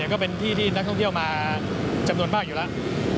ก็เป็นที่ที่นักท่องเที่ยวมาจำนวนมากอยู่แล้ว